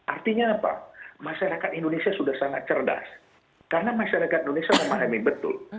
artinya apa masyarakat indonesia sudah sangat cerdas karena masyarakat indonesia memahami betul